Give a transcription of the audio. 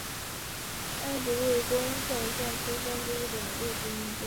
安藤利吉为宫城县出身之日本陆军军人。